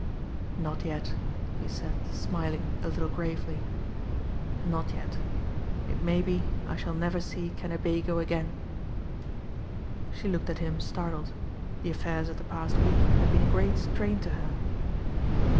"Not yet," he said smiling a little gravely. "Not yet. It may be I shall never see Kennebago again." She looked at him startled. The affairs of the past week had been a great strain to her.